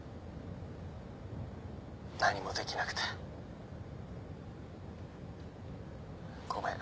何もできなくてごめん。